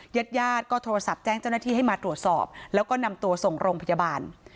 ญาติญาติก็โทรศัพท์แจ้งเจ้าหน้าที่ให้มาตรวจสอบแล้วก็นำตัวส่งโรงพยาบาล